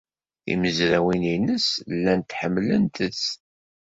Timezrawin-nnes llant ḥemmlent-t.